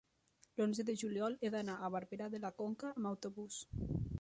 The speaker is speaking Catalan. l'onze de juliol he d'anar a Barberà de la Conca amb autobús.